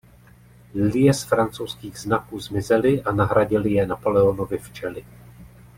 Lilie z francouzských znaků zmizely a nahradily je Napoleonovy včely.